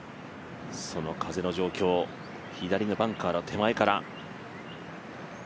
その風の状況、左のバンカーの手前から。